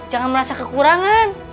jangan merasa kekurangan